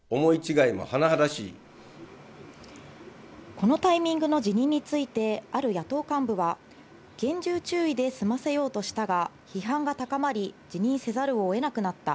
このタイミングの辞任について、ある野党幹部は、厳重注意で済ませようとしたが、批判が高まり、辞任せざるを得なくなった。